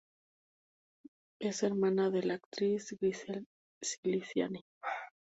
Es hermana de la actriz Griselda Siciliani